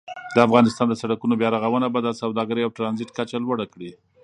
د افغانستان د سړکونو بیا رغونه به د سوداګرۍ او ترانزیت کچه لوړه کړي.